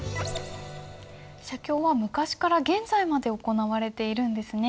写経は昔から現在まで行われているんですね。